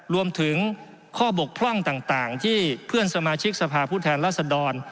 รวมถึงข้อบกพร่องต่างที่เพื่อนสมาชิกสภาพผู้แทนรัศดร